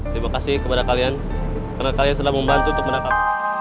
terima kasih kepada kalian karena kalian telah membantu untuk menangkap